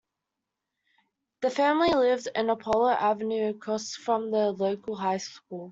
The family lived in Apollo Avenue, across from the local high school.